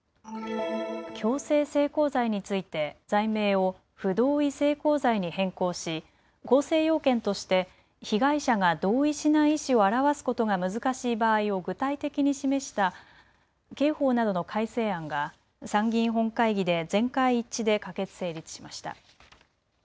強制性交罪について、罪名を不同意性交罪に変更し構成要件として被害者が同意しない意思を表すことが難しい場合を具体的に示した刑法などの改正案が参議院本会議で全会一致で可決・成立しました。